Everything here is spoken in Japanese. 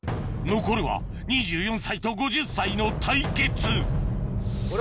残るは２４歳と５０歳の対決